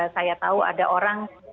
saya tahu ada orang